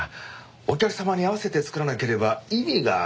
お客様に合わせて作らなければ意味がありません。